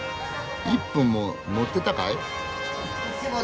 １分も乗ってたかい？